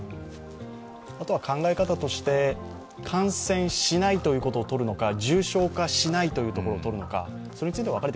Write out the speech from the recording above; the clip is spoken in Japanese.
あとは考え方として、感染しないということをとるのか、重症化しないというところをとるのか。